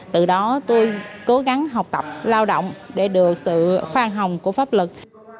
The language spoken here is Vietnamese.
từ đó tôi cố gắng học tập lao động để được sự khoan hồng của pháp luật